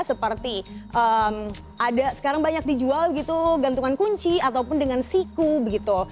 seperti ada sekarang banyak dijual gitu gantungan kunci ataupun dengan siku begitu